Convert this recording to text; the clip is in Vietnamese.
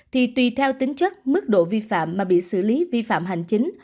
thì tùy theo tính chất mức độ vi phạm mà bị xử lý vi phạm hành chính